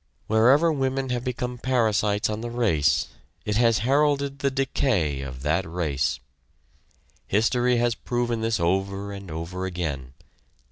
Wherever women have become parasites on the race, it has heralded the decay of that race. History has proven this over and over again.